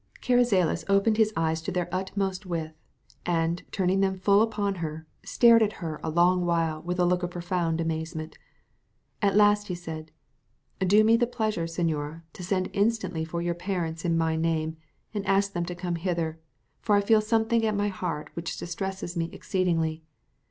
Carrizales opened his eyes to their utmost width, and turning them full upon her, stared at her a long while with a look of profound amazement. At last he said, "Do me the pleasure, señora, to send instantly for your parents in my name, and ask them to come hither, for I feel something at my heart which distresses me exceedingly.